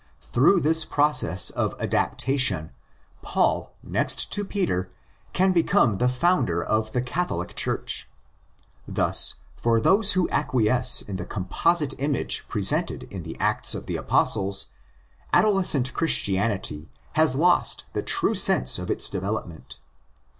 Through this process of adaptation, Paul, next to Peter, can become the founder of the '' Catholic Church."' Thus, for those who acquiesce in the com posite image presented in the Acts of the Apostles, adolescent Christianity has lost the true sense of its development.